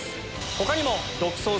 他にも。